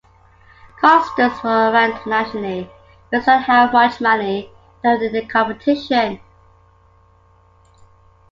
Contestants are ranked nationally, based on how much money they earned in competition.